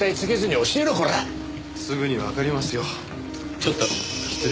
ちょっと失礼。